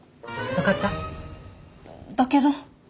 分かった？だけど。